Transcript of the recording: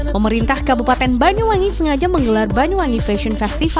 pemerintah kabupaten banyuwangi sengaja menggelar banyuwangi fashion festival